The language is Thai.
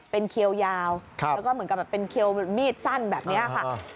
เป็นเคี้ยวยาวเหมือนกับเคี้ยวมีดสั้นอย่างนี้ค่ะครับ